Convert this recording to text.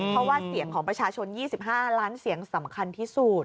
เพราะว่าเสียงของประชาชน๒๕ล้านเสียงสำคัญที่สุด